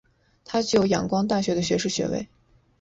他具有仰光大学的学士学位。